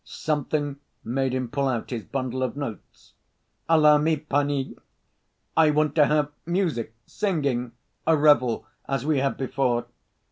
(Something made him pull out his bundle of notes.) "Allow me, panie! I want to have music, singing, a revel, as we had before.